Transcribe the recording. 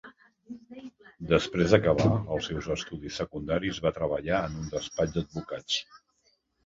Després d'acabar els seus estudis secundaris va treballar en un despatx d'advocats.